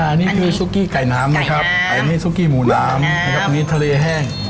อันนี้คือซุกกี้ไก่น้ำนะครับอันนี้ซุกกี้หมูน้ำอันนี้ทะเลแห้ง